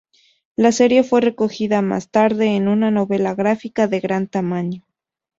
La serie fue recogida más tarde en una novela gráfica de gran tamaño.